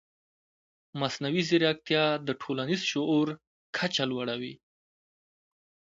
مصنوعي ځیرکتیا د ټولنیز شعور کچه لوړوي.